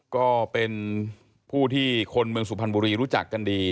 ก็เป็นผู้ที่คนเมืองสุพรรณบุรีรู้จักกันดี